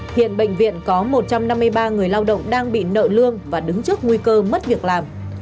hiện bệnh viện có một trăm năm mươi ba người lao động đang bị nợ lương và đứng trước nguy cơ mất việc làm